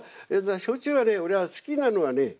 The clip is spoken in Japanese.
焼酎はね俺は好きなのはね